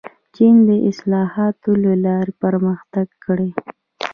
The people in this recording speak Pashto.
چین د اصلاحاتو له لارې پرمختګ کړی.